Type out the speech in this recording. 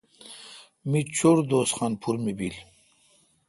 می چور دوس خان پور می بیل۔